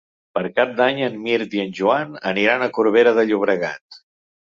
Per Cap d'Any en Mirt i en Joan aniran a Corbera de Llobregat.